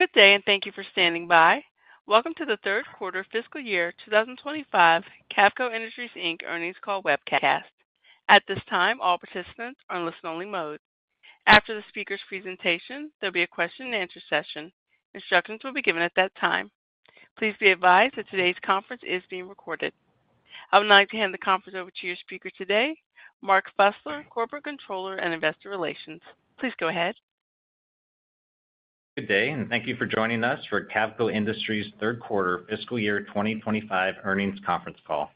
Good day, and thank you for standing by. Welcome to the third quarter fiscal year 2025 Cavco Industries Inc. earnings call webcast. At this time, all participants are in listen-only mode. After the speaker's presentation, there'll be a question-and-answer session. Instructions will be given at that time. Please be advised that today's conference is being recorded. I would now like to hand the conference over to your speaker today, Mark Fusler, Corporate Controller and Investor Relations. Please go ahead. Good day, and thank you for joining us for Cavco Industries' third quarter fiscal year 2025 earnings conference call.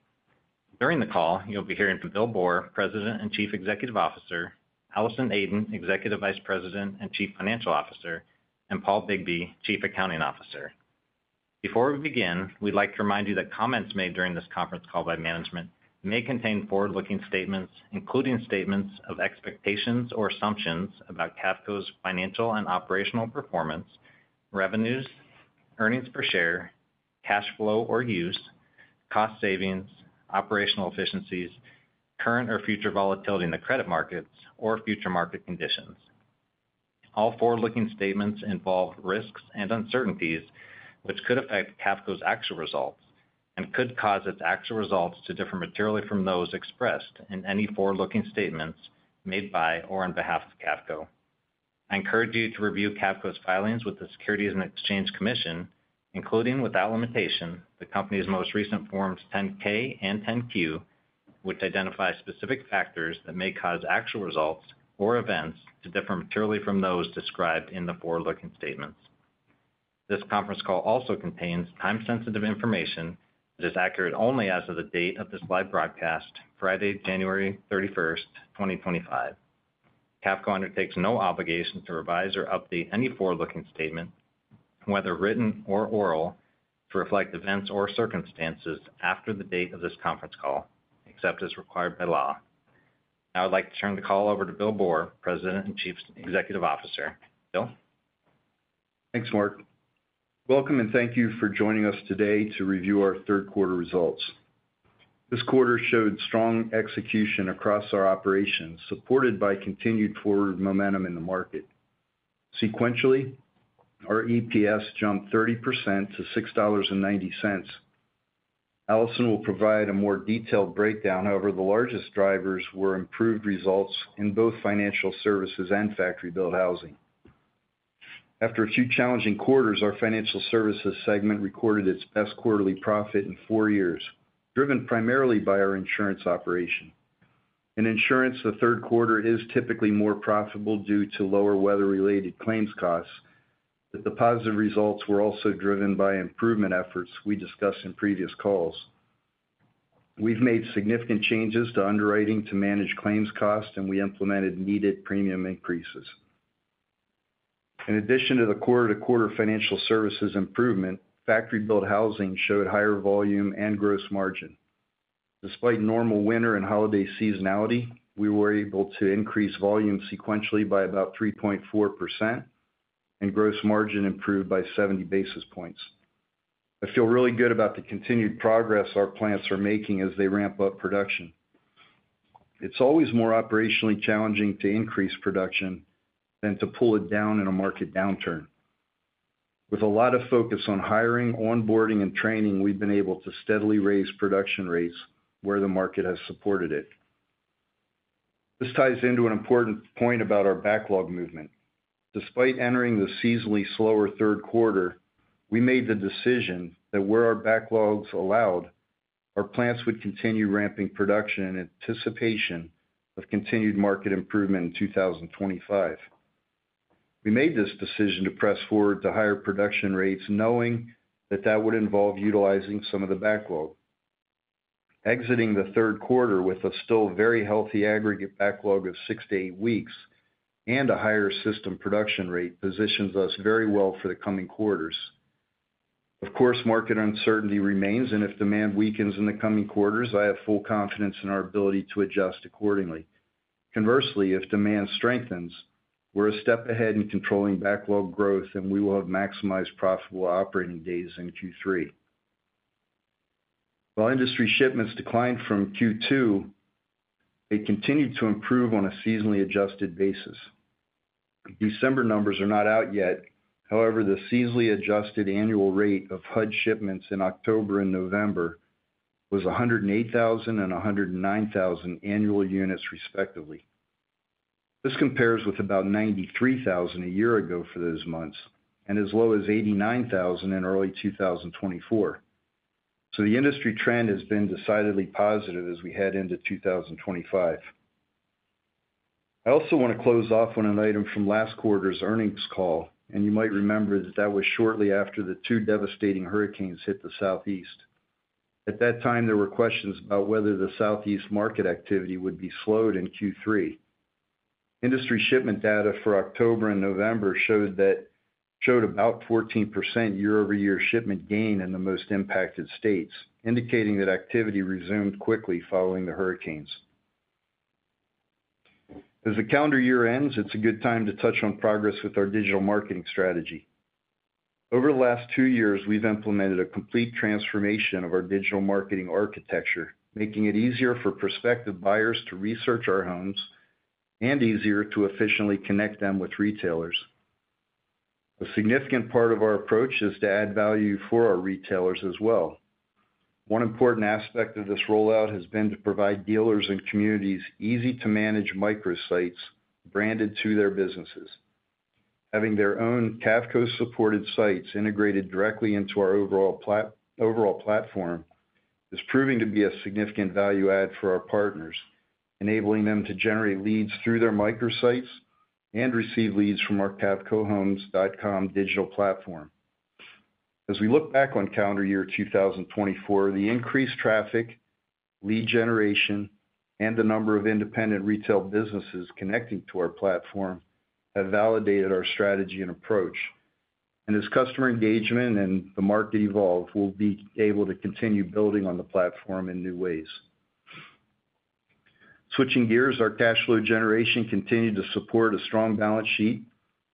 During the call, you'll be hearing from Bill Boor, President and Chief Executive Officer, Allison Aden, Executive Vice President and Chief Financial Officer, and Paul Bigbee, Chief Accounting Officer. Before we begin, we'd like to remind you that comments made during this conference call by management may contain forward-looking statements, including statements of expectations or assumptions about Cavco's financial and operational performance, revenues, earnings per share, cash flow or use, cost savings, operational efficiencies, current or future volatility in the credit markets, or future market conditions. All forward-looking statements involve risks and uncertainties which could affect Cavco's actual results and could cause its actual results to differ materially from those expressed in any forward-looking statements made by or on behalf of Cavco. I encourage you to review Cavco's filings with the Securities and Exchange Commission, including without limitation, the company's most recent Forms 10-K and 10-Q, which identify specific factors that may cause actual results or events to differ materially from those described in the forward-looking statements. This conference call also contains time-sensitive information that is accurate only as of the date of this live broadcast, Friday, January 31st, 2025. Cavco undertakes no obligation to revise or update any forward-looking statement, whether written or oral, to reflect events or circumstances after the date of this conference call, except as required by law. Now, I'd like to turn the call over to Bill Boor, President and Chief Executive Officer. Bill? Thanks, Mark. Welcome, and thank you for joining us today to review our third quarter results. This quarter showed strong execution across our operations, supported by continued forward momentum in the market. Sequentially, our EPS jumped 30% to $6.90. Allison will provide a more detailed breakdown. However, the largest drivers were improved results in both financial services and factory-built housing. After a few challenging quarters, our financial services segment recorded its best quarterly profit in four years, driven primarily by our insurance operation. In insurance, the third quarter is typically more profitable due to lower weather-related claims costs, but the positive results were also driven by improvement efforts we discussed in previous calls. We've made significant changes to underwriting to manage claims costs, and we implemented needed premium increases. In addition to the quarter-to-quarter financial services improvement, factory-built housing showed higher volume and gross margin. Despite normal winter and holiday seasonality, we were able to increase volume sequentially by about 3.4%, and gross margin improved by 70 basis points. I feel really good about the continued progress our plants are making as they ramp up production. It's always more operationally challenging to increase production than to pull it down in a market downturn. With a lot of focus on hiring, onboarding, and training, we've been able to steadily raise production rates where the market has supported it. This ties into an important point about our backlog movement. Despite entering the seasonally slower third quarter, we made the decision that where our backlogs allowed, our plants would continue ramping production in anticipation of continued market improvement in 2025. We made this decision to press forward to higher production rates, knowing that that would involve utilizing some of the backlog. Exiting the third quarter with a still very healthy aggregate backlog of six to eight weeks and a higher system production rate positions us very well for the coming quarters. Of course, market uncertainty remains, and if demand weakens in the coming quarters, I have full confidence in our ability to adjust accordingly. Conversely, if demand strengthens, we're a step ahead in controlling backlog growth, and we will have maximized profitable operating days in Q3. While industry shipments declined from Q2, they continued to improve on a seasonally adjusted basis. December numbers are not out yet. However, the seasonally adjusted annual rate of HUD shipments in October and November was 108,000 and 109,000 annual units, respectively. This compares with about 93,000 a year ago for those months and as low as 89,000 in early 2024. So the industry trend has been decidedly positive as we head into 2025. I also want to close off on an item from last quarter's earnings call, and you might remember that that was shortly after the two devastating hurricanes hit the Southeast. At that time, there were questions about whether the Southeast market activity would be slowed in Q3. Industry shipment data for October and November showed about 14% year-over-year shipment gain in the most impacted states, indicating that activity resumed quickly following the hurricanes. As the calendar year ends, it's a good time to touch on progress with our digital marketing strategy. Over the last two years, we've implemented a complete transformation of our digital marketing architecture, making it easier for prospective buyers to research our homes and easier to efficiently connect them with retailers. A significant part of our approach is to add value for our retailers as well. One important aspect of this rollout has been to provide dealers and communities easy-to-manage microsites branded to their businesses. Having their own Cavco-supported sites integrated directly into our overall platform is proving to be a significant value add for our partners, enabling them to generate leads through their microsites and receive leads from our CavcoHomes.com digital platform. As we look back on calendar year 2024, the increased traffic, lead generation, and the number of independent retail businesses connecting to our platform have validated our strategy and approach, and as customer engagement and the market evolve, we'll be able to continue building on the platform in new ways. Switching gears, our cash flow generation continued to support a strong balance sheet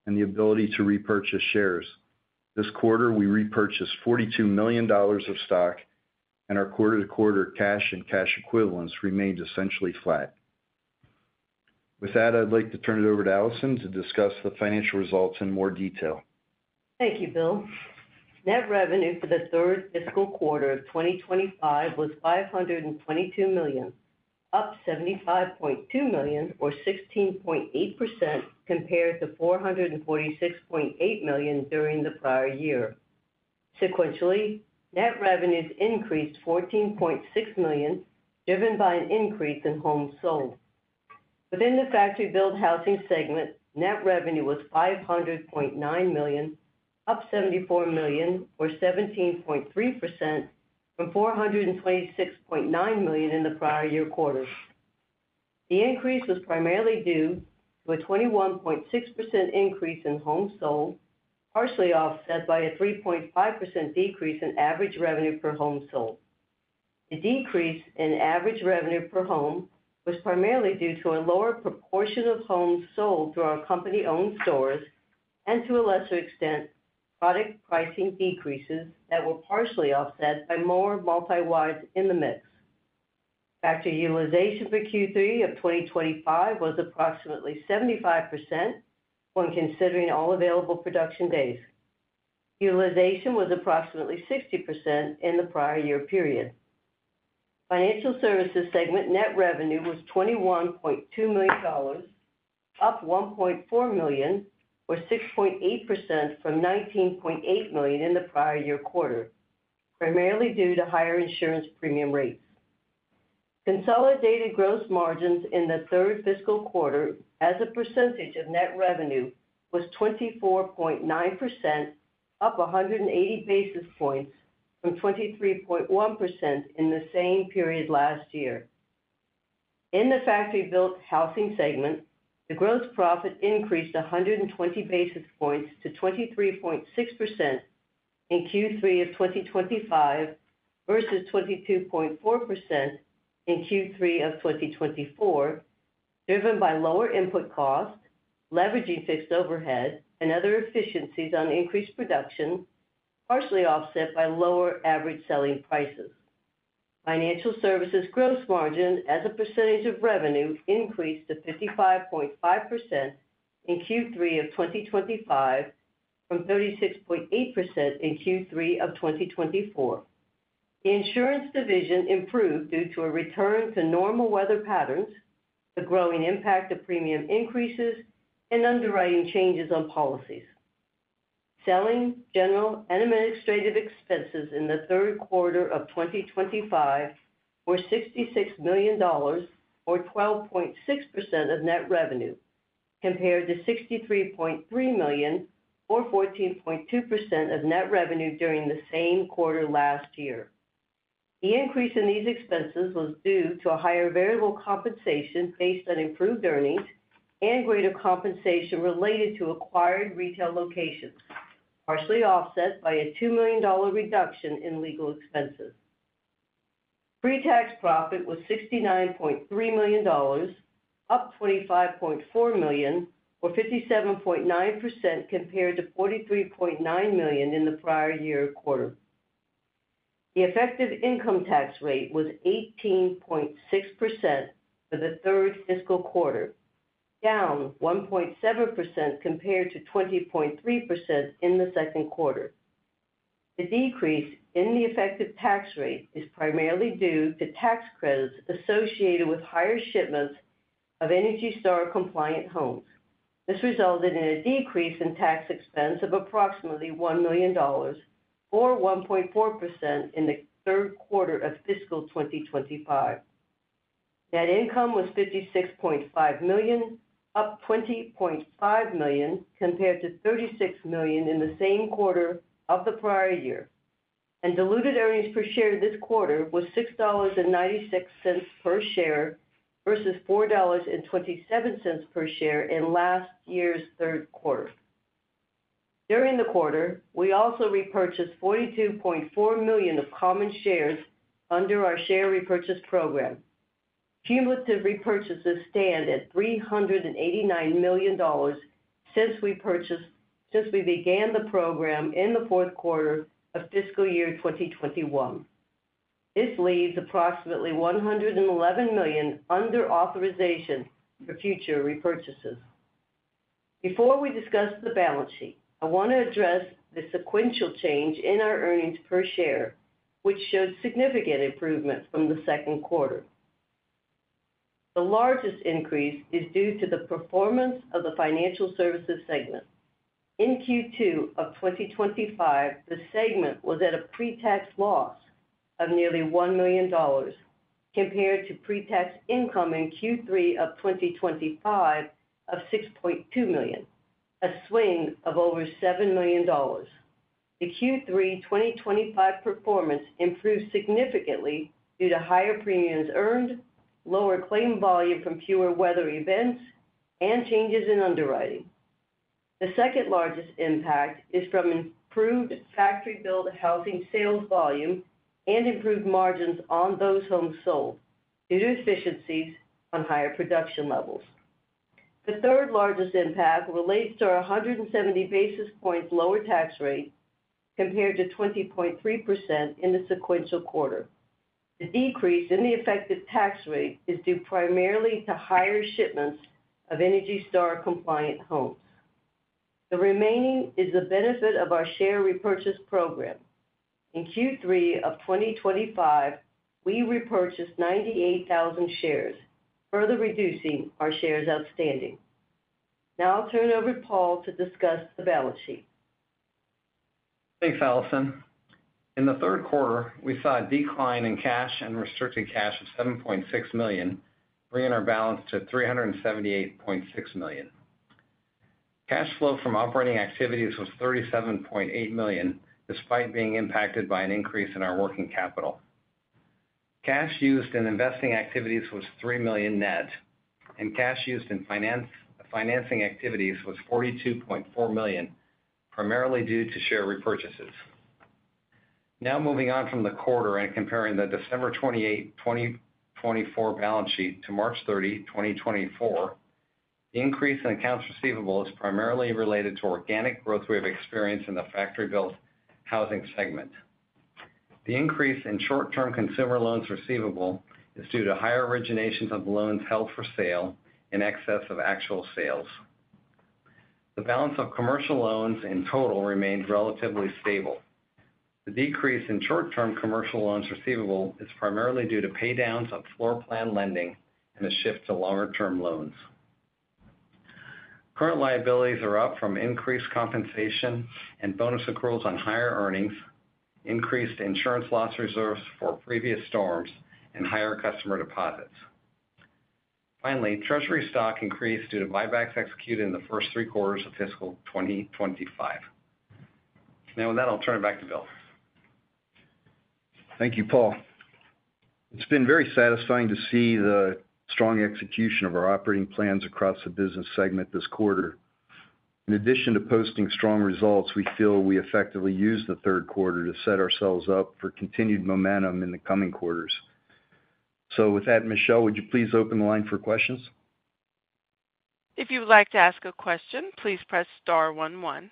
and the ability to repurchase shares. This quarter, we repurchased $42 million of stock, and our quarter-to-quarter cash and cash equivalents remained essentially flat. With that, I'd like to turn it over to Allison to discuss the financial results in more detail. Thank you, Bill. Net revenue for the third fiscal quarter of 2025 was $522 million, up $75.2 million or 16.8% compared to $446.8 million during the prior year. Sequentially, net revenues increased $14.6 million, driven by an increase in homes sold. Within the factory-built housing segment, net revenue was $500.9 million, up $74 million or 17.3% from $426.9 million in the prior year quarter. The increase was primarily due to a 21.6% increase in homes sold, partially offset by a 3.5% decrease in average revenue per home sold. The decrease in average revenue per home was primarily due to a lower proportion of homes sold through our company-owned stores and, to a lesser extent, product pricing decreases that were partially offset by more multi-wide in the mix. Factory utilization for Q3 of 2025 was approximately 75% when considering all available production days. Utilization was approximately 60% in the prior year period. Financial services segment net revenue was $21.2 million, up $1.4 million or 6.8% from $19.8 million in the prior year quarter, primarily due to higher insurance premium rates. Consolidated gross margins in the third fiscal quarter, as a percentage of net revenue, was 24.9%, up 180 basis points from 23.1% in the same period last year. In the factory-built housing segment, the gross profit increased 120 basis points to 23.6% in Q3 of 2025 versus 22.4% in Q3 of 2024, driven by lower input costs, leveraging fixed overhead, and other efficiencies on increased production, partially offset by lower average selling prices. Financial services gross margin, as a percentage of revenue, increased to 55.5% in Q3 of 2025 from 36.8% in Q3 of 2024. The insurance division improved due to a return to normal weather patterns, the growing impact of premium increases, and underwriting changes on policies. Selling, general, and administrative expenses in the third quarter of 2025 were $66 million, or 12.6% of net revenue, compared to $63.3 million, or 14.2% of net revenue during the same quarter last year. The increase in these expenses was due to a higher variable compensation based on improved earnings and greater compensation related to acquired retail locations, partially offset by a $2 million reduction in legal expenses. Pre-tax profit was $69.3 million, up $25.4 million, or 57.9% compared to $43.9 million in the prior year quarter. The effective income tax rate was 18.6% for the third fiscal quarter, down 1.7% compared to 20.3% in the second quarter. The decrease in the effective tax rate is primarily due to tax credits associated with higher shipments of ENERGY STAR-compliant homes. This resulted in a decrease in tax expense of approximately $1 million, or 1.4% in the third quarter of fiscal 2025. Net income was $56.5 million, up $20.5 million compared to $36 million in the same quarter of the prior year. Diluted earnings per share this quarter was $6.96 per share versus $4.27 per share in last year's third quarter. During the quarter, we also repurchased $42.4 million of common shares under our share repurchase program. Cumulative repurchases stand at $389 million since we began the program in the fourth quarter of fiscal year 2021. This leaves approximately $111 million under authorization for future repurchases. Before we discuss the balance sheet, I want to address the sequential change in our earnings per share, which showed significant improvement from the second quarter. The largest increase is due to the performance of the financial services segment. In Q2 of 2025, the segment was at a pre-tax loss of nearly $1 million compared to pre-tax income in Q3 of 2025 of $6.2 million, a swing of over $7 million. The Q3 2025 performance improved significantly due to higher premiums earned, lower claim volume from fewer weather events, and changes in underwriting. The second largest impact is from improved factory-built housing sales volume and improved margins on those homes sold due to efficiencies on higher production levels. The third largest impact relates to our 170 basis points lower tax rate compared to 20.3% in the sequential quarter. The decrease in the effective tax rate is due primarily to higher shipments of ENERGY STAR-compliant homes. The remainder is the benefit of our share repurchase program. In Q3 of 2025, we repurchased 98,000 shares, further reducing our shares outstanding. Now I'll turn it over to Paul to discuss the balance sheet. Thanks, Allison. In the third quarter, we saw a decline in cash and restricted cash of $7.6 million, bringing our balance to $378.6 million. Cash flow from operating activities was $37.8 million, despite being impacted by an increase in our working capital. Cash used in investing activities was $3 million net, and cash used in financing activities was $42.4 million, primarily due to share repurchases. Now moving on from the quarter and comparing the December 28, 2024 balance sheet to March 30, 2024, the increase in accounts receivable is primarily related to organic growth we have experienced in the factory-built housing segment. The increase in short-term consumer loans receivable is due to higher originations of the loans held for sale in excess of actual sales. The balance of commercial loans in total remained relatively stable. The decrease in short-term commercial loans receivable is primarily due to paydowns of floor plan lending and a shift to longer-term loans. Current liabilities are up from increased compensation and bonus accruals on higher earnings, increased insurance loss reserves for previous storms, and higher customer deposits. Finally, treasury stock increased due to buybacks executed in the first three quarters of fiscal 2025. Now with that, I'll turn it back to Bill. Thank you, Paul. It's been very satisfying to see the strong execution of our operating plans across the business segment this quarter. In addition to posting strong results, we feel we effectively used the third quarter to set ourselves up for continued momentum in the coming quarters. So with that, Michelle, would you please open the line for questions? If you would like to ask a question, please press star one one.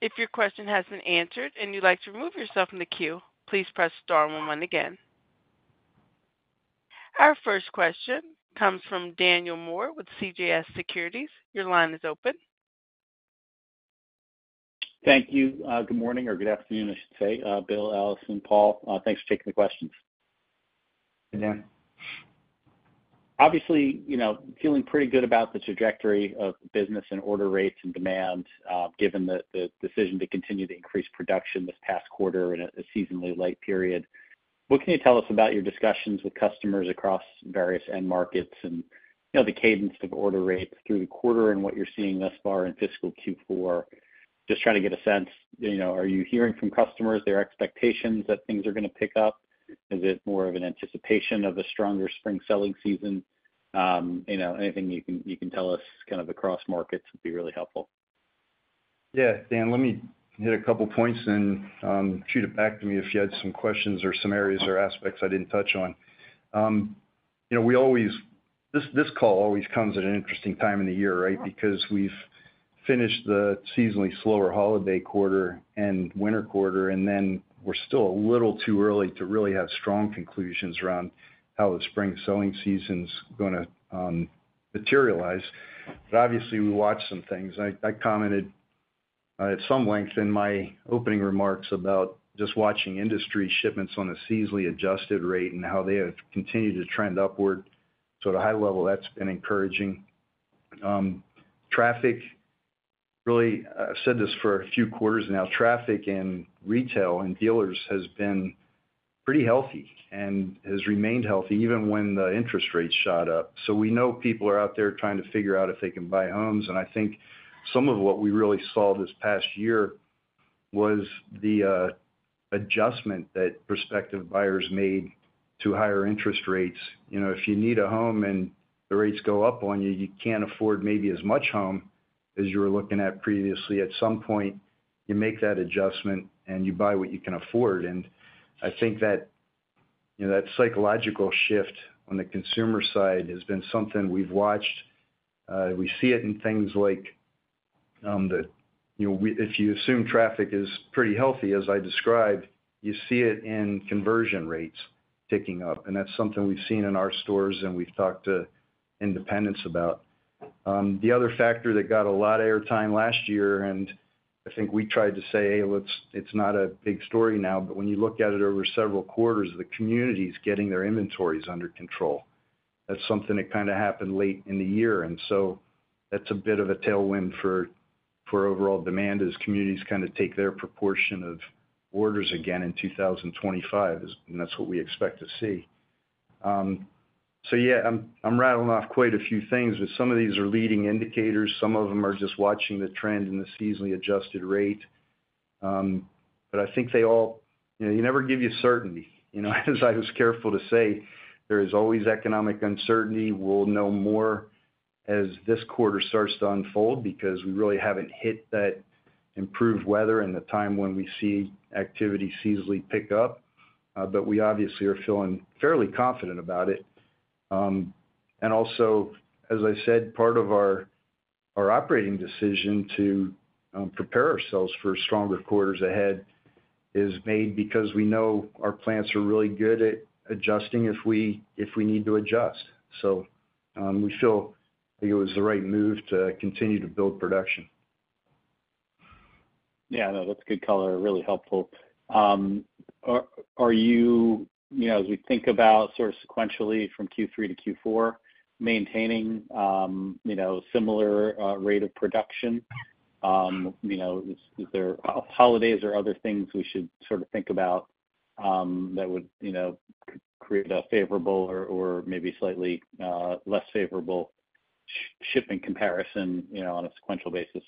If your question hasn't been answered and you'd like to remove yourself from the queue, please press star one one again. Our first question comes from Daniel Moore with CJS Securities. Your line is open. Thank you. Good morning or good afternoon, I should say, Bill, Allison, Paul. Thanks for taking the questions. Hey, Dan. Obviously, feeling pretty good about the trajectory of business and order rates and demand, given the decision to continue to increase production this past quarter in a seasonally late period. What can you tell us about your discussions with customers across various end markets and the cadence of order rates through the quarter and what you're seeing thus far in fiscal Q4? Just trying to get a sense. Are you hearing from customers their expectations that things are going to pick up? Is it more of an anticipation of a stronger spring selling season? Anything you can tell us kind of across markets would be really helpful. Yeah, Dan, let me hit a couple of points and shoot it back to me if you had some questions or some areas or aspects I didn't touch on. This call always comes at an interesting time in the year, right, because we've finished the seasonally slower holiday quarter and winter quarter, and then we're still a little too early to really have strong conclusions around how the spring selling season's going to materialize. But obviously, we watched some things. I commented at some length in my opening remarks about just watching industry shipments on a seasonally adjusted rate and how they have continued to trend upward. So at a high level, that's been encouraging. Traffic, really, I've said this for a few quarters now, traffic in retail and dealers has been pretty healthy and has remained healthy even when the interest rates shot up. We know people are out there trying to figure out if they can buy homes. I think some of what we really saw this past year was the adjustment that prospective buyers made to higher interest rates. If you need a home and the rates go up on you, you can't afford maybe as much home as you were looking at previously. At some point, you make that adjustment and you buy what you can afford. I think that psychological shift on the consumer side has been something we've watched. We see it in things like if you assume traffic is pretty healthy, as I described, you see it in conversion rates ticking up. That's something we've seen in our stores and we've talked to independents about. The other factor that got a lot of airtime last year, and I think we tried to say, "Hey, it's not a big story now," but when you look at it over several quarters, the community is getting their inventories under control. That's something that kind of happened late in the year. And so that's a bit of a tailwind for overall demand as communities kind of take their proportion of orders again in 2025, and that's what we expect to see. So yeah, I'm rattling off quite a few things, but some of these are leading indicators. Some of them are just watching the trend in the seasonally adjusted rate. But I think they'll never give you certainty. As I was careful to say, there is always economic uncertainty. We'll know more as this quarter starts to unfold because we really haven't hit that improved weather and the time when we see activity seasonally pick up, but we obviously are feeling fairly confident about it, and also, as I said, part of our operating decision to prepare ourselves for stronger quarters ahead is made because we know our plants are really good at adjusting if we need to adjust, so we feel it was the right move to continue to build production. Yeah, no, that's good color. Really helpful. Are you, as we think about sort of sequentially from Q3 to Q4, maintaining a similar rate of production? Is there holidays or other things we should sort of think about that would create a favorable or maybe slightly less favorable shipping comparison on a sequential basis?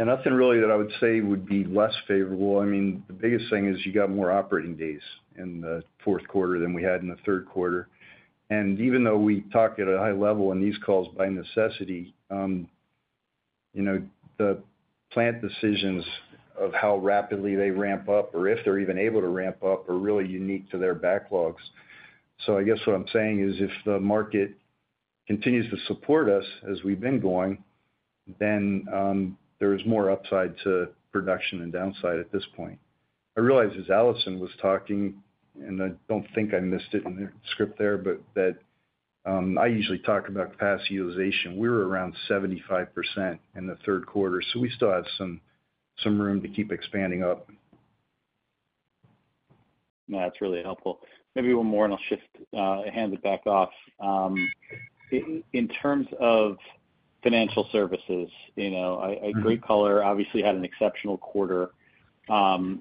Nothing really that I would say would be less favorable. I mean, the biggest thing is you got more operating days in the fourth quarter than we had in the third quarter. Even though we talk at a high level in these calls by necessity, the plant decisions of how rapidly they ramp up or if they're even able to ramp up are really unique to their backlogs. I guess what I'm saying is if the market continues to support us as we've been going, then there is more upside to production and downside at this point. I realize as Allison was talking, and I don't think I missed it in the script there, but that I usually talk about capacity utilization. We were around 75% in the third quarter, so we still have some room to keep expanding up. No, that's really helpful. Maybe one more and I'll hand it back off. In terms of financial services, great color. Obviously, had an exceptional quarter.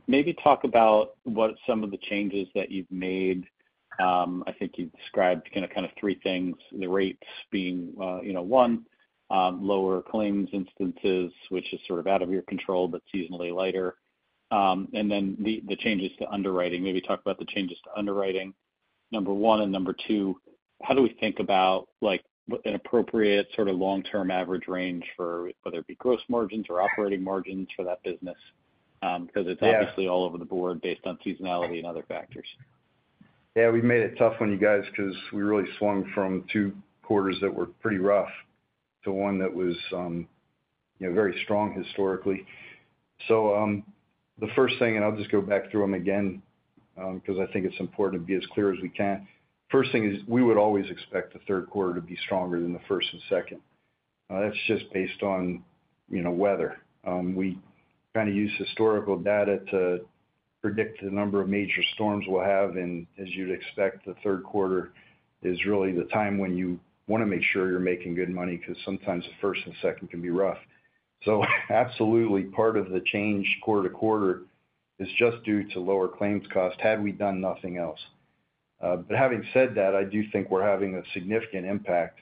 Maybe talk about what some of the changes that you've made. I think you've described kind of three things, the rates being one, lower claims instances, which is sort of out of your control, but seasonally lighter. And then the changes to underwriting. Maybe talk about the changes to underwriting, number one. And number two, how do we think about an appropriate sort of long-term average range for whether it be gross margins or operating margins for that business? Because it's obviously all over the board based on seasonality and other factors. Yeah, we've made it tough on you guys because we really swung from two quarters that were pretty rough to one that was very strong historically, so the first thing, and I'll just go back through them again because I think it's important to be as clear as we can. First thing is we would always expect the third quarter to be stronger than the first and second. That's just based on weather. We kind of use historical data to predict the number of major storms we'll have, and as you'd expect, the third quarter is really the time when you want to make sure you're making good money because sometimes the first and second can be rough, so absolutely, part of the change quarter to quarter is just due to lower claims cost had we done nothing else. But having said that, I do think we're having a significant impact.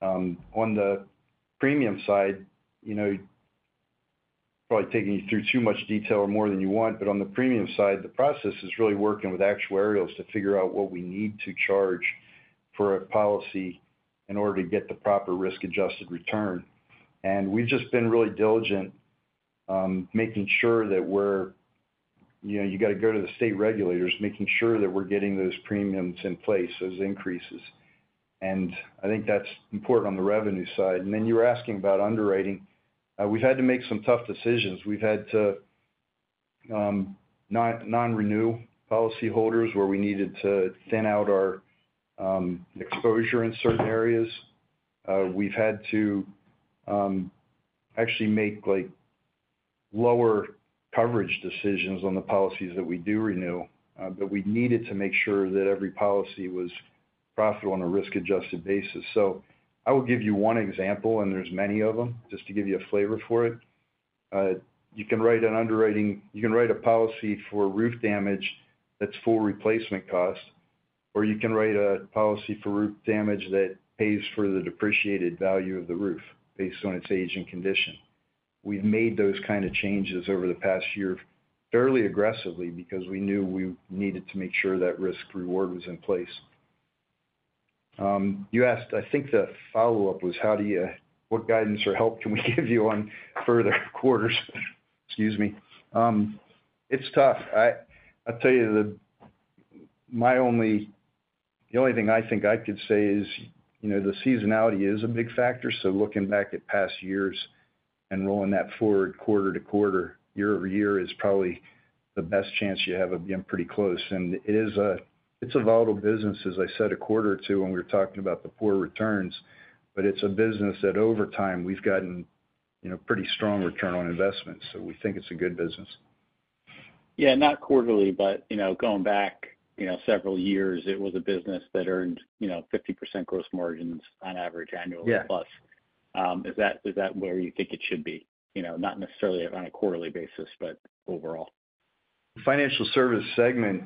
On the premium side, probably taking you through too much detail or more than you want, but on the premium side, the process is really working with actuaries to figure out what we need to charge for a policy in order to get the proper risk-adjusted return. And we've just been really diligent making sure that we're. You got to go to the state regulators making sure that we're getting those premiums in place as increases. And I think that's important on the revenue side. And then you were asking about underwriting. We've had to make some tough decisions. We've had to non-renew policyholders where we needed to thin out our exposure in certain areas. We've had to actually make lower coverage decisions on the policies that we do renew, but we needed to make sure that every policy was profitable on a risk-adjusted basis, so I will give you one example, and there's many of them, just to give you a flavor for it. You can write a policy for roof damage that's full replacement cost, or you can write a policy for roof damage that pays for the depreciated value of the roof based on its age and condition. We've made those kind of changes over the past year fairly aggressively because we knew we needed to make sure that risk-reward was in place. You asked, I think the follow-up was, what guidance or help can we give you on further quarters? Excuse me. It's tough. I'll tell you, the only thing I think I could say is the seasonality is a big factor. So looking back at past years and rolling that forward quarter to quarter, year-over-year is probably the best chance you have of being pretty close. And it's a volatile business, as I said, a quarter or two when we were talking about the poor returns, but it's a business that over time we've gotten pretty strong return on investment. So we think it's a good business. Yeah, not quarterly, but going back several years, it was a business that earned 50% gross margins on average annually plus. Is that where you think it should be? Not necessarily on a quarterly basis, but overall. The financial service segment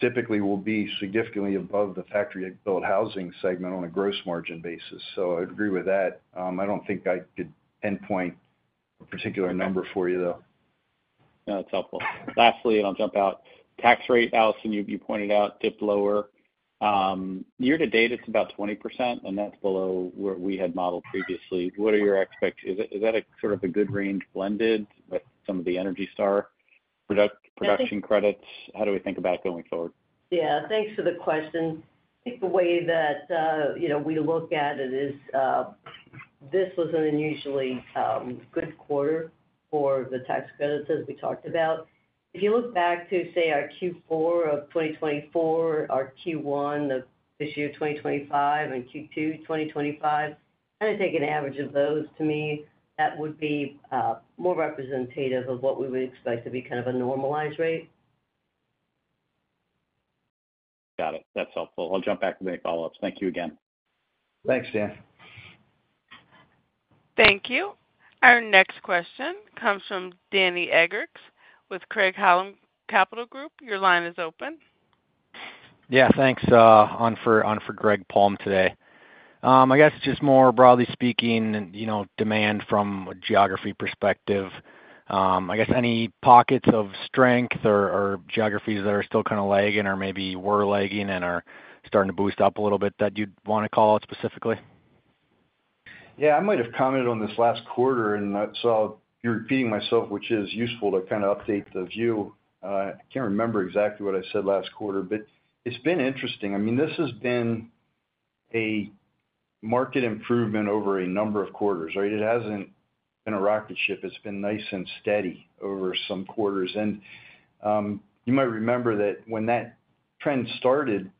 typically will be significantly above the factory-built housing segment on a gross margin basis. So I agree with that. I don't think I could pinpoint a particular number for you, though. No, that's helpful. Lastly, and I'll jump out, tax rate, Allison, you pointed out, dipped lower. Year to date, it's about 20%, and that's below where we had modeled previously. What are your expectations? Is that sort of a good range blended with some of the ENERGY STAR production credits? How do we think about going forward? Yeah, thanks for the question. I think the way that we look at it is this was an unusually good quarter for the tax credits, as we talked about. If you look back to, say, our Q4 of 2024, our Q1 of this year, 2025, and Q2 2025, kind of take an average of those, to me, that would be more representative of what we would expect to be kind of a normalized rate. Got it. That's helpful. I'll jump back to the follow-ups. Thank you again. Thanks, Dan. Thank you. Our next question comes from Danny Eggerichs with Craig-Hallum Capital Group. Your line is open. Yeah, thanks. On for Greg Palm today. I guess just more broadly speaking, demand from a geography perspective. I guess any pockets of strength or geographies that are still kind of lagging or maybe were lagging and are starting to boost up a little bit that you'd want to call out specifically? Yeah, I might have commented on this last quarter, and so I'm repeating myself, which is useful to kind of update the view. I can't remember exactly what I said last quarter, but it's been interesting. I mean, this has been a market improvement over a number of quarters. It hasn't been a rocket ship. It's been nice and steady over some quarters. You might remember that when that trend started,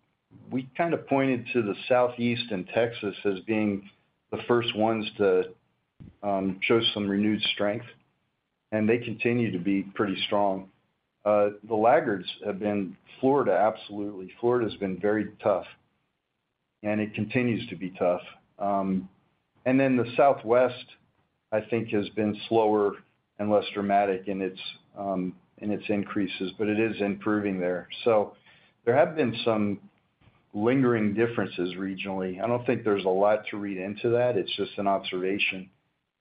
we kind of pointed to the Southeast and Texas as being the first ones to show some renewed strength, and they continue to be pretty strong. The laggards have been Florida, absolutely. Florida has been very tough, and it continues to be tough. Then the Southwest, I think, has been slower and less dramatic in its increases, but it is improving there. So there have been some lingering differences regionally. I don't think there's a lot to read into that. It's just an observation.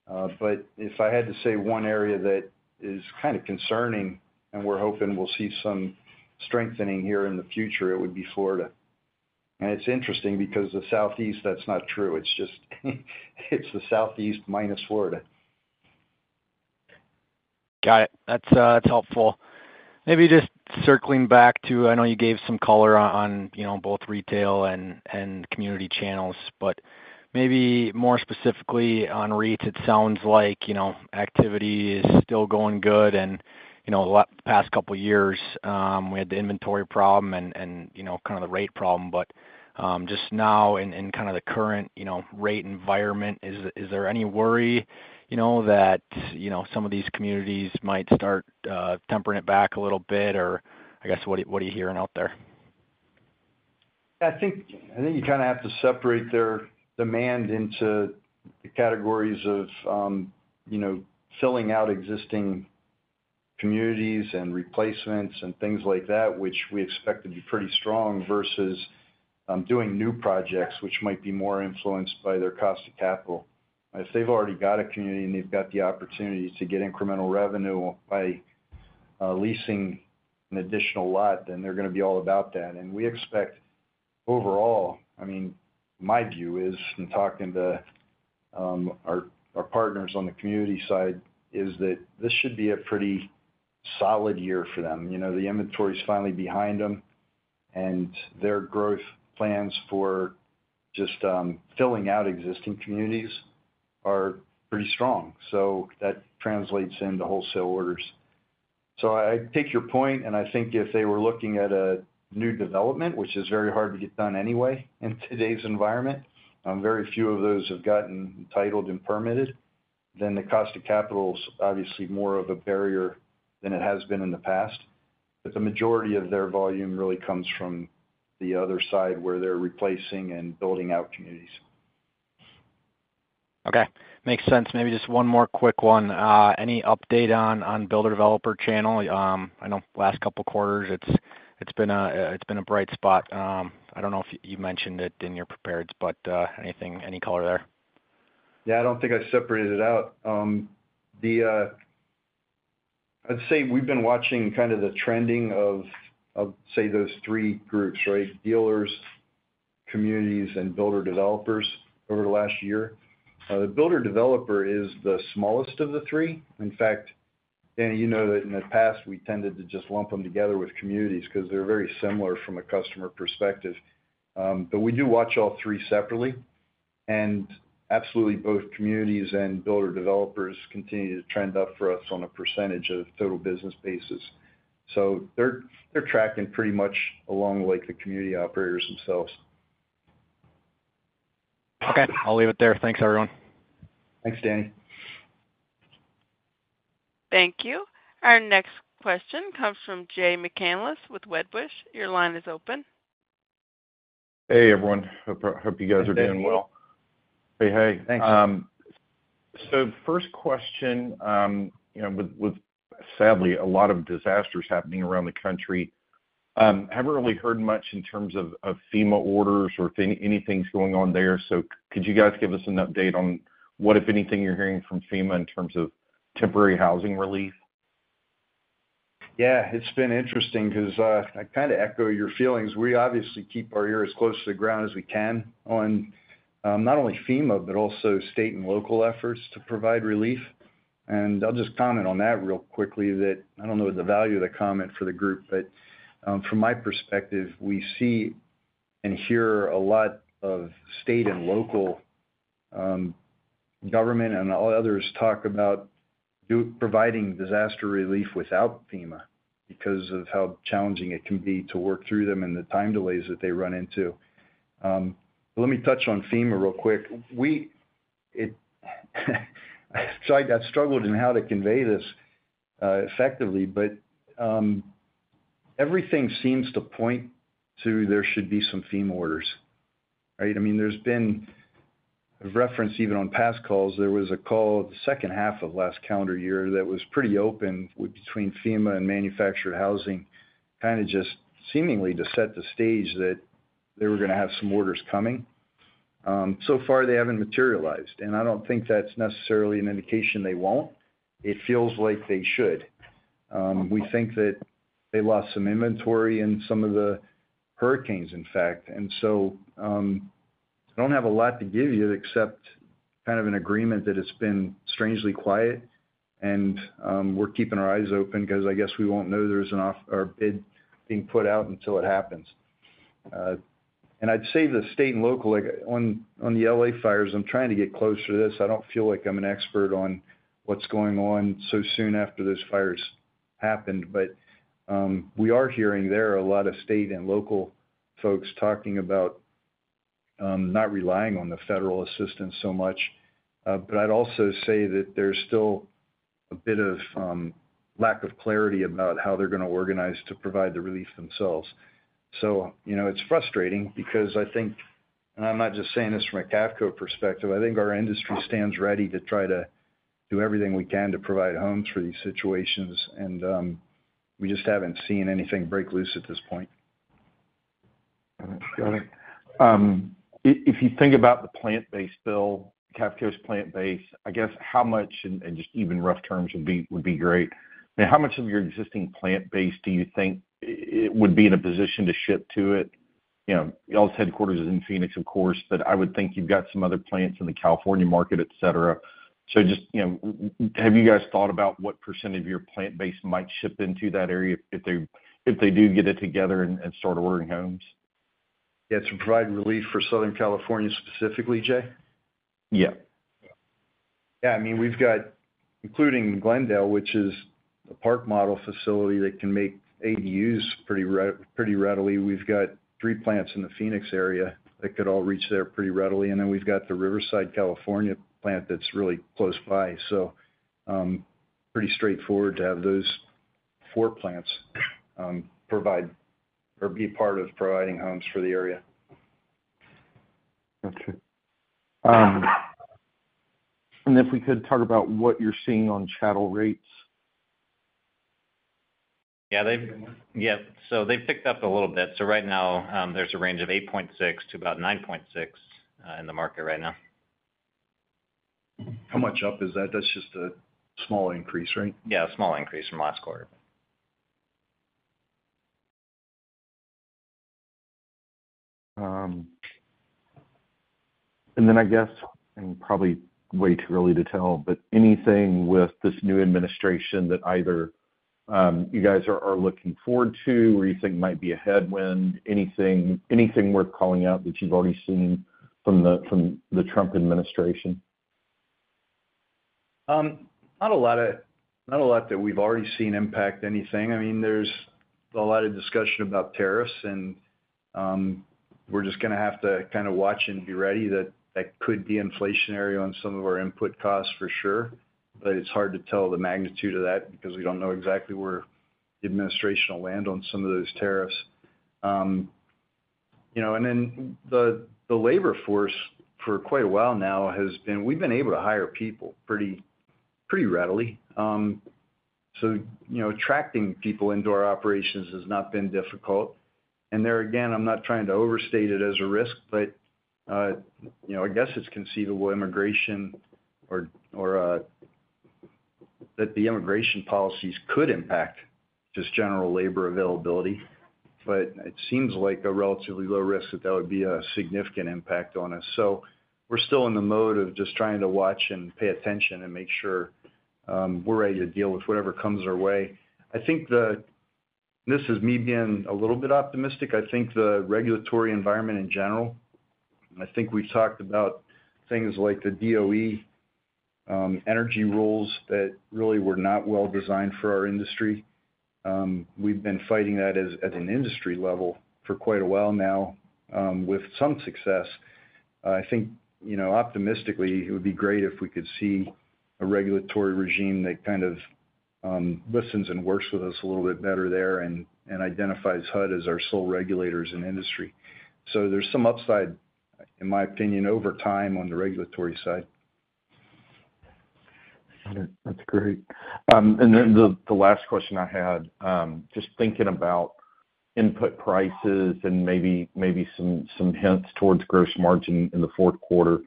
But if I had to say one area that is kind of concerning and we're hoping we'll see some strengthening here in the future, it would be Florida. And it's interesting because the Southeast, that's not true. It's just the Southeast minus Florida. Got it. That's helpful. Maybe just circling back to, I know you gave some color on both retail and community channels, but maybe more specifically on REITs, it sounds like activity is still going good. And the past couple of years, we had the inventory problem and kind of the rate problem. But just now in kind of the current rate environment, is there any worry that some of these communities might start tempering it back a little bit? Or I guess, what are you hearing out there? I think you kind of have to separate their demand into the categories of filling out existing communities and replacements and things like that, which we expect to be pretty strong versus doing new projects, which might be more influenced by their cost of capital. If they've already got a community and they've got the opportunity to get incremental revenue by leasing an additional lot, then they're going to be all about that. And we expect overall, I mean, my view is, and talking to our partners on the community side, is that this should be a pretty solid year for them. The inventory is finally behind them, and their growth plans for just filling out existing communities are pretty strong. So that translates into wholesale orders. So, I take your point, and I think if they were looking at a new development, which is very hard to get done anyway in today's environment. Very few of those have gotten titled and permitted. Then the cost of capital is obviously more of a barrier than it has been in the past. But the majority of their volume really comes from the other side where they're replacing and building out communities. Okay. Makes sense. Maybe just one more quick one. Any update on builder-developer channel? I know last couple of quarters, it's been a bright spot. I don't know if you mentioned it in your prepareds, but any color there? Yeah, I don't think I separated it out. I'd say we've been watching kind of the trending of, say, those three groups, right? Dealers, communities, and builder-developers over the last year. The builder-developer is the smallest of the three. In fact, Danny, you know that in the past, we tended to just lump them together with communities because they're very similar from a customer perspective. But we do watch all three separately. And absolutely, both communities and builder-developers continue to trend up for us on a percentage of total business basis. So they're tracking pretty much along like the community operators themselves. Okay. I'll leave it there. Thanks, everyone. Thanks, Danny. Thank you. Our next question comes from Jay McCanless with Wedbush. Your line is open. Hey, everyone. Hope you guys are doing well. Hey, hey. Thanks. So first question, with sadly a lot of disasters happening around the country, I haven't really heard much in terms of FEMA orders or if anything's going on there. So could you guys give us an update on what, if anything, you're hearing from FEMA in terms of temporary housing relief? Yeah, it's been interesting because I kind of echo your feelings. We obviously keep our ears close to the ground as we can on not only FEMA, but also state and local efforts to provide relief, and I'll just comment on that real quickly that I don't know the value of the comment for the group, but from my perspective, we see and hear a lot of state and local government and others talk about providing disaster relief without FEMA because of how challenging it can be to work through them and the time delays that they run into. Let me touch on FEMA real quick, so I struggled in how to convey this effectively, but everything seems to point to there should be some FEMA orders, right? I mean, there's been a reference even on past calls. There was a call the second half of last calendar year that was pretty open between FEMA and manufactured housing, kind of just seemingly to set the stage that they were going to have some orders coming. So far, they haven't materialized. I don't think that's necessarily an indication they won't. It feels like they should. We think that they lost some inventory in some of the hurricanes, in fact. I don't have a lot to give you except kind of an agreement that it's been strangely quiet, and we're keeping our eyes open because I guess we won't know there's a bid being put out until it happens. I'd say the state and local, on the LA fires, I'm trying to get closer to this. I don't feel like I'm an expert on what's going on so soon after those fires happened, but we are hearing there are a lot of state and local folks talking about not relying on the federal assistance so much. But I'd also say that there's still a bit of lack of clarity about how they're going to organize to provide the relief themselves. So it's frustrating because I think, and I'm not just saying this from a Cavco perspective, I think our industry stands ready to try to do everything we can to provide homes for these situations, and we just haven't seen anything break loose at this point. Got it. Got it. If you think about the plant base, Bill, Cavco's plant base, I guess how much, and just even rough terms would be great, how much of your existing plant base do you think it would be in a position to ship to it? Y'all's headquarters is in Phoenix, of course, but I would think you've got some other plants in the California market, etc. So just have you guys thought about what % of your plant base might ship into that area if they do get it together and start ordering homes? Yeah, to provide relief for Southern California specifically, Jay? Yeah. Yeah. I mean, we've got, including Glendale, which is a park model facility that can make ADUs pretty readily. We've got three plants in the Phoenix area that could all reach there pretty readily. And then we've got the Riverside, California plant that's really close by. So pretty straightforward to have those four plants provide or be part of providing homes for the area. Gotcha. And if we could talk about what you're seeing on chattel rates? Yeah. So they've picked up a little bit. So right now, there's a range of 8.6 to about 9.6 in the market right now. How much up is that? That's just a small increase, right? Yeah, a small increase from last quarter. And then I guess, and probably way too early to tell, but anything with this new administration that either you guys are looking forward to or you think might be a headwind? Anything worth calling out that you've already seen from the Trump administration? Not a lot that we've already seen impact anything. I mean, there's a lot of discussion about tariffs, and we're just going to have to kind of watch and be ready that that could be inflationary on some of our input costs for sure, but it's hard to tell the magnitude of that because we don't know exactly where the administration will land on some of those tariffs, and then the labor force for quite a while now has been we've been able to hire people pretty readily, so attracting people into our operations has not been difficult, and there again, I'm not trying to overstate it as a risk, but I guess it's conceivable immigration or that the immigration policies could impact just general labor availability, but it seems like a relatively low risk that that would be a significant impact on us. So we're still in the mode of just trying to watch and pay attention and make sure we're ready to deal with whatever comes our way. I think the, this is me being a little bit optimistic, I think the regulatory environment in general. I think we've talked about things like the DOE energy rules that really were not well designed for our industry. We've been fighting that at an industry level for quite a while now with some success. I think optimistically, it would be great if we could see a regulatory regime that kind of listens and works with us a little bit better there and identifies HUD as our sole regulators in industry. So there's some upside, in my opinion, over time on the regulatory side. Got it. That's great. And then the last question I had, just thinking about input prices and maybe some hints towards gross margin in the fourth quarter.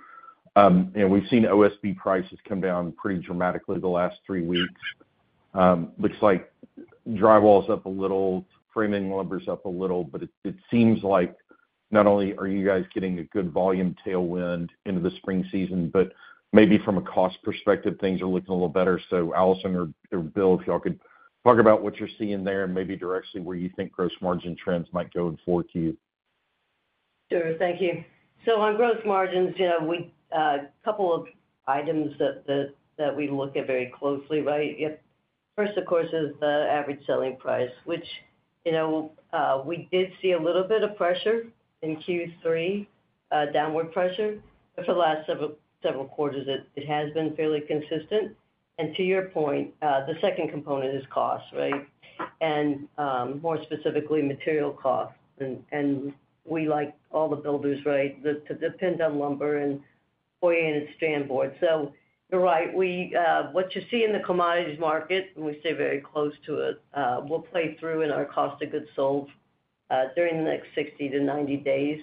We've seen OSB prices come down pretty dramatically the last three weeks. Looks like drywall's up a little, framing lumber's up a little, but it seems like not only are you guys getting a good volume tailwind into the spring season, but maybe from a cost perspective, things are looking a little better. So Allison or Bill, if y'all could talk about what you're seeing there and maybe directly where you think gross margin trends might go in the fourth quarter. Sure. Thank you. So on gross margins, a couple of items that we look at very closely, right? First, of course, is the average selling price, which we did see a little bit of pressure in Q3, downward pressure. But for the last several quarters, it has been fairly consistent. And to your point, the second component is cost, right? And more specifically, material costs. And we, like all the builders, right, depend on lumber and oriented strand board. So you're right. What you see in the commodities market, and we stay very close to it, will play through in our cost of goods sold during the next 60-90 days.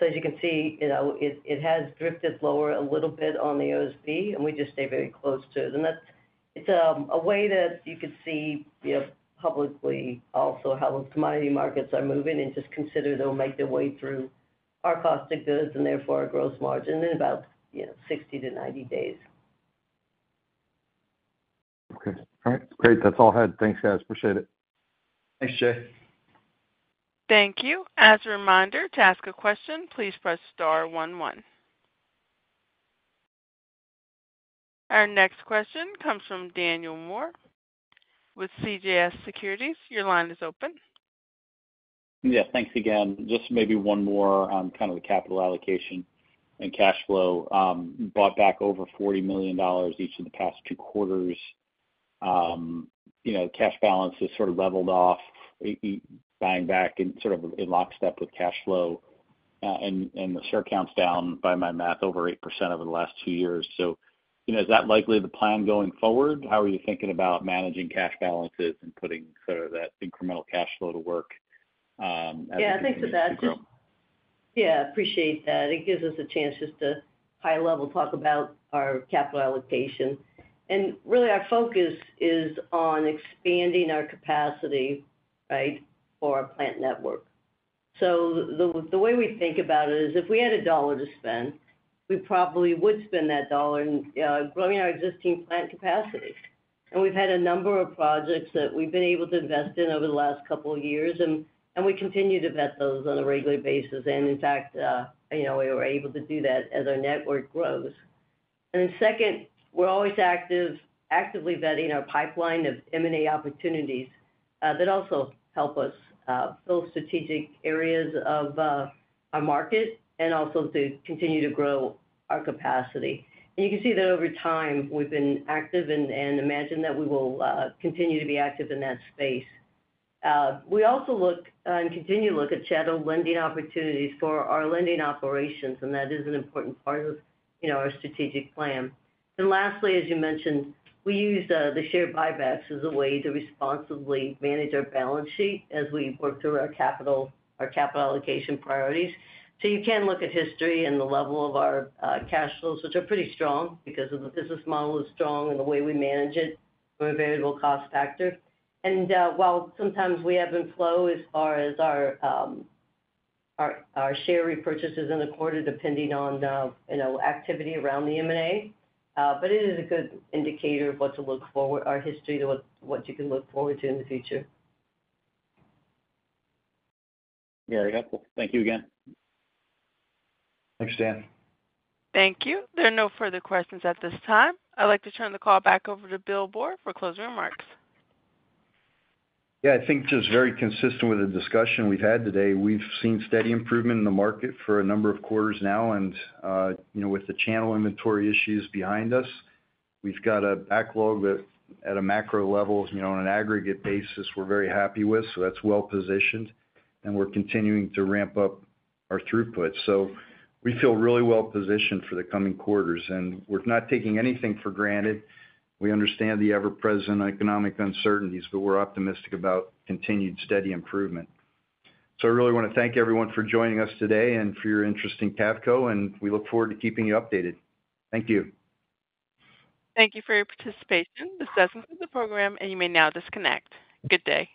So as you can see, it has drifted lower a little bit on the OSB, and we just stay very close to it. It's a way that you could see publicly also how the commodity markets are moving and just consider they'll make their way through our cost of goods and therefore our gross margin in about 60-90 days. Okay. All right. Great. That's all I had. Thanks, guys. Appreciate it. Thanks, Jay. Thank you. As a reminder, to ask a question, please press star one one. Our next question comes from Daniel Moore with CJS Securities. Your line is open. Yes. Thanks again. Just maybe one more on kind of the capital allocation and cash flow. Bought back over $40 million each in the past two quarters. Cash balance has sort of leveled off, buying back in sort of lockstep with cash flow. And the share count's down, by my math, over 8% over the last two years. So is that likely the plan going forward? How are you thinking about managing cash balances and putting sort of that incremental cash flow to work as a? Yeah. I think that's just yeah, appreciate that. It gives us a chance just to high-level talk about our capital allocation. Really, our focus is on expanding our capacity, right, for our plant network. The way we think about it is if we had a dollar to spend, we probably would spend that dollar in growing our existing plant capacity. We've had a number of projects that we've been able to invest in over the last couple of years, and we continue to vet those on a regular basis. In fact, we were able to do that as our network grows. Then second, we're always actively vetting our pipeline of M&A opportunities that also help us fill strategic areas of our market and also to continue to grow our capacity. You can see that over time, we've been active and imagine that we will continue to be active in that space. We also look and continue to look at chattel lending opportunities for our lending operations, and that is an important part of our strategic plan. Lastly, as you mentioned, we use the share buybacks as a way to responsibly manage our balance sheet as we work through our capital allocation priorities. You can look at history and the level of our cash flows, which are pretty strong because the business model is strong and the way we manage it from a variable cost factor. While sometimes we have inflow as far as our share repurchases in the quarter depending on activity around the M&A, but it is a good indicator of what to look for, our history to what you can look forward to in the future. Very helpful. Thank you again. Thanks, Dan. Thank you. There are no further questions at this time. I'd like to turn the call back over to Bill Boor for closing remarks. Yeah. I think just very consistent with the discussion we've had today, we've seen steady improvement in the market for a number of quarters now. And with the channel inventory issues behind us, we've got a backlog that at a macro level, on an aggregate basis, we're very happy with. So that's well positioned, and we're continuing to ramp up our throughput. So we feel really well positioned for the coming quarters. And we're not taking anything for granted. We understand the ever-present economic uncertainties, but we're optimistic about continued steady improvement. So I really want to thank everyone for joining us today and for your interest in Cavco, and we look forward to keeping you updated. Thank you. Thank you for your participation. This has concluded the program, and you may now disconnect. Good day.